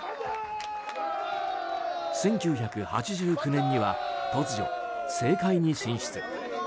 １９８９年には突如、政界に進出。